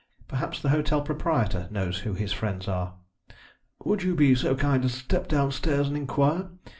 Perhaps the hotel proprietor knows who his friends are." "Would you be so kind as to step downstairs and inquire?